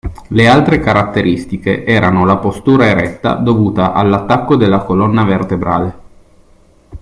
Le altre caratteristiche erano la postura eretta dovuta all'attacco della colonna vertebrale